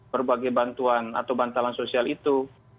berbagai bantuan atau bantalan sosial itu